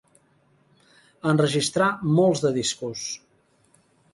Enregistrà molts de discos.